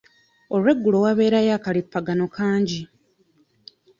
Olweggulo wabeerayo akalippagano kangi.